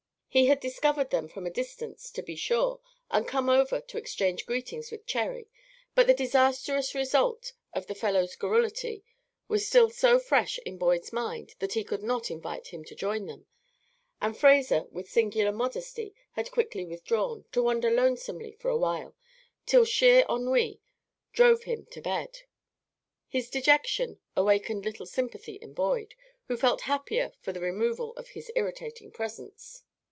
He had discovered them from a distance, to be sure, and come over to exchange greetings with Cherry, but the disastrous result of the fellow's garrulity was still so fresh in Boyd's mind that he could not invite him to join them, and Fraser, with singular modesty, had quickly withdrawn, to wander lonesomely for a while, till sheer ennui drove him to bed. His dejection awakened little sympathy in Boyd, who felt happier for the removal of his irritating presence.